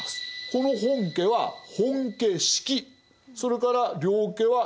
この本家は本家職それから領家は領家職